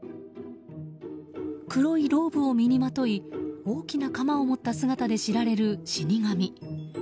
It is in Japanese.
黒いローブを身にまとい大きな鎌を持った姿で知られる死に神。